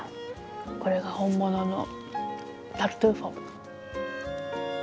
これが本物のタルトゥーフォ。